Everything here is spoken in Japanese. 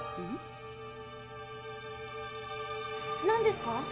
何ですか？